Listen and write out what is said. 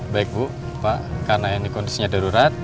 baik bu pak karena ini kondisinya darurat